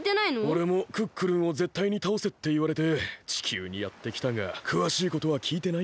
おれもクックルンをぜったいにたおせっていわれて地球にやってきたがくわしいことはきいてないんだ。